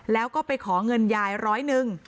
แล้วก็ไปขอเงินยายร้อยหนึ่ง